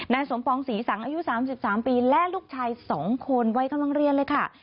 นายสมปองศรีสังอายุสามสิบสามปีและลูกชายสองคนไว้กำลังเรียนเลยค่ะ